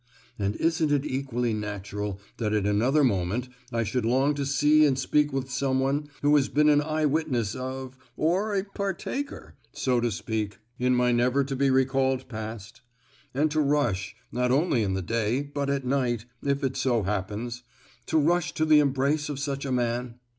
and isn't it equally natural that at another moment I should long to see and speak with some one who has been an eye witness of, or a partaker, so to speak, in my never to be recalled past? and to rush—not only in the day, but at night, if it so happens,—to rush to the embrace of such a man?